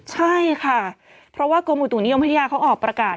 ใช่ค่ะเพราะว่ากรมอุตุนิยมพัทยาเขาออกประกาศ